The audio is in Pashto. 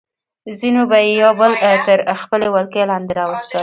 ځینو به یې یو بل تر خپلې ولکې لاندې راوستل.